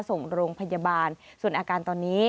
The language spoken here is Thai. ส่งโรงพยาบาลส่วนอาการตอนนี้